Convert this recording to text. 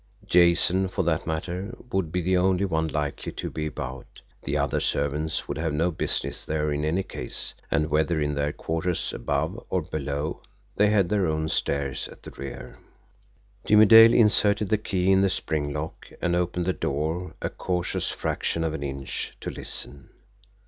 Jason, for that matter, would be the only one likely to be about; the other servants would have no business there in any case, and whether in their quarters above or below, they had their own stairs at the rear. Jimmie Dale inserted the key in the spring lock, and opened the door a cautious fraction of an inch to listen.